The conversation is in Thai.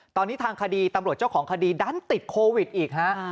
ตอนนี้ทางคดีตำรวจเจ้าของคดีดันติดโควิดอีกฮะ